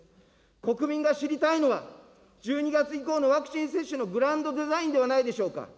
国民が知りたいのは、１２月以降のワクチン接種のグランドデザインではないでしょうか。